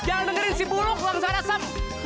jangan dengerin si buruk langsar asem